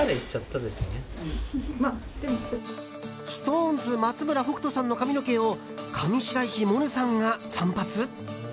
ＳｉｘＴＯＮＥＳ松村北斗さんの髪の毛を上白石萌音さんが散髪？